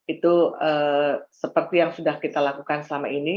itu seperti yang sudah kita lakukan selama ini